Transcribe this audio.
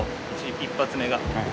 一発目が。